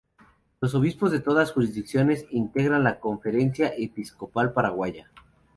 Los obispos de todas estas jurisdicciones integran la Conferencia Episcopal Paraguaya.